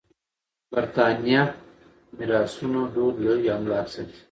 برېتانيه میراثونو دود لوی املاک ساتي.